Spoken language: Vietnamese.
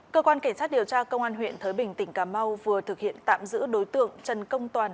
cơ quan cảnh sát điều tra công an huyện thới bình tỉnh cà mau vừa thực hiện tạm giữ đối tượng trần công toàn